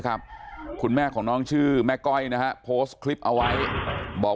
คุณแม่ของน้องชื่อแม่ก้อยนะฮะโพสต์คลิปเอาไว้บอก